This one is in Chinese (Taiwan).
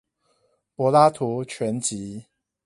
柏拉圖全集